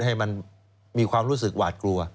ให้มันมีความรู้สึกหวาดกลัว